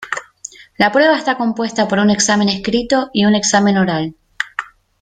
La prueba está compuesta por un examen escrito y un examen oral.